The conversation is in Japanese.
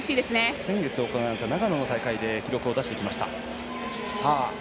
先月行われた長野の大会で記録を出してきました。